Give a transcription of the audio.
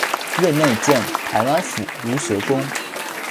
任内建台湾府儒学宫。